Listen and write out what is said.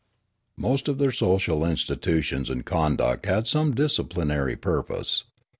Most of their social institutions and conduct had some disciplinary purpose.